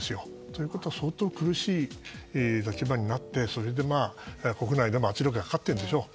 ということは相当苦しい立場になって、国内でも圧力がかかってるんでしょう。